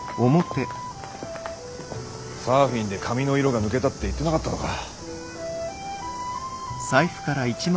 サーフィンで髪の色が抜けたって言ってなかったのか？